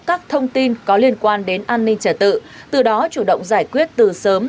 các thông tin có liên quan đến an ninh trả tự từ đó chủ động giải quyết từ sớm